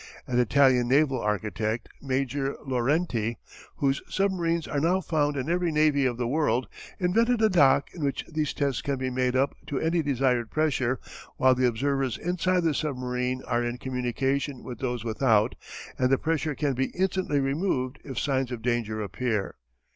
An Italian naval architect, Major Laurenti, whose submarines are now found in every navy of the world, invented a dock in which these tests can be made up to any desired pressure while the observers inside the submarine are in communication with those without and the pressure can be instantly removed if signs of danger appear.